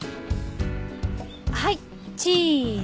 はいチーズ。